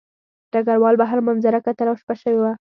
ډګروال بهر منظره کتله او شپه شوې وه